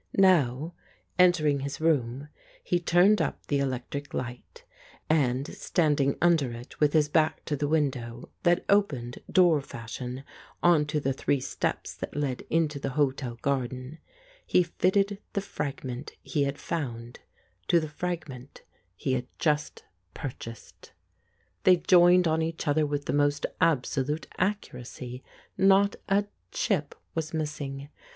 Now, entering his room, he turned up the electric light, and, standing under it with his back to the window, that opened, door fashion, on to the three steps that led into the hotel garden, he fitted the fragment he had found to the fragment he had just purchased. They joined on to each other with the most absolute accuracy, not a chip was missing.